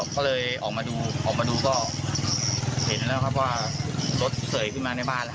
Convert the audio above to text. พอเลยออกมาดูก็เห็นแล้วว่ารถเสยขึ้นมาในบ้าน